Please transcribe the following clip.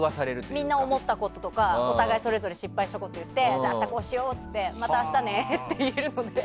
みんな思ったこととかお互い、それぞれ失敗したことを言って明日こうしようってまた明日ねって言えるので。